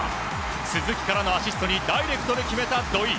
鈴木からのアシストにダイレクトで決めた、土居。